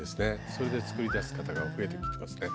それで作りだす方が増えてきてますね。